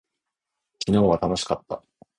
昨日は楽しかった。